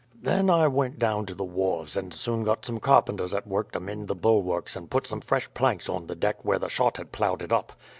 "Then I went down to the wharves, and soon got some carpenters at work to mend the bulwarks and put some fresh planks on the deck where the shot had ploughed it up.